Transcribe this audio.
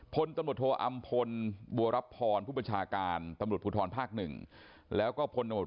พลตำรดโทออำภบัวรับธรรพ์ผู้บัญชาการตำรวจผู้ทธรภ๑